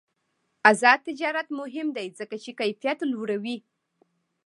آزاد تجارت مهم دی ځکه چې کیفیت لوړوي.